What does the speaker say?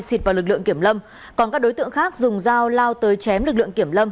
xịt vào lực lượng kiểm lâm còn các đối tượng khác dùng dao lao tới chém lực lượng kiểm lâm